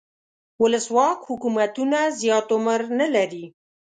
ولسواک حکومتونه زیات عمر نه لري.